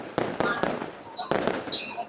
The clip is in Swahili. mzunguko wa vipindi umepangwa na watangazaji wenyewe